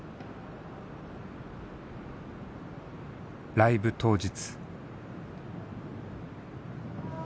ライブ当日。